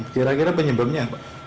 kira kira penyebabnya apa